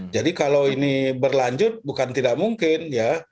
jadi kalau ini berlanjut bukan tidak mungkin ya